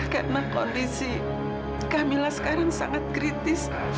karena kondisi kamilah sekarang sangat kritis